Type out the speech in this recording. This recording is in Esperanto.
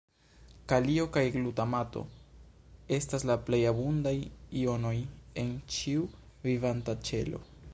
Kalio kaj glutamato estas la plej abundaj jonoj en ĉiu vivanta ĉelo.